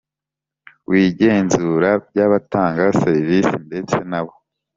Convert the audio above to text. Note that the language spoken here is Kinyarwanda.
W igenzura by abatanga serivisi ndetse n abo